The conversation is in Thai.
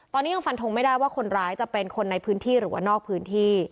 ตอนนี้ยังฟันทงไม่ได้ว่าคนร้ายจะเป็นคนในพื้นที่หรือว่านอกพื้นที่